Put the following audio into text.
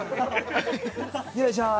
よいしょー！